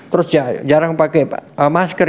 terus jarang pakai masker